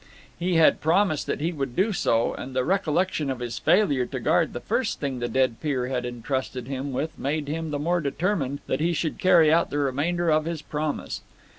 He had promised that he would do so, and the recollection of his failure to guard the first thing the dead peer had entrusted him with made him the more determined that he would carry out the remainder of his promise.